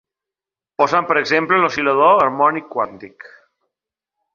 Posem per exemple l'oscil·lador harmònic quàntic.